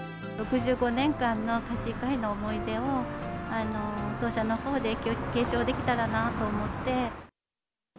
６５年間のかしいかえんの思い出を、当社のほうで継承できたらなぁと思って。